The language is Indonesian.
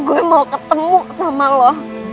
gue mau ketemu sama lo